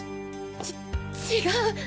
ち違う。